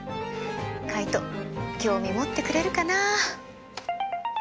カイト興味持ってくれるかな？